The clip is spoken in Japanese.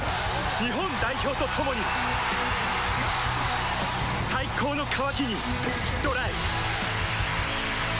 日本代表と共に最高の渇きにＤＲＹ